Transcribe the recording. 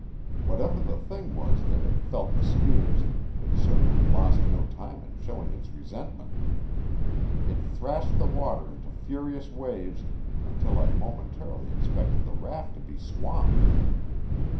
Whatever the thing was that had felt the spears, it certainly lost no time in showing its resentment. It thrashed the water into furious waves until I momentarily expected the raft to be swamped.